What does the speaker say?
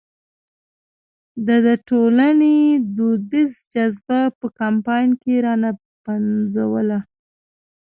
ده د ټولنې دودیزه جذبه په کمپاین کې را نه پنځوله.